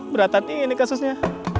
kebatan ini kasusnya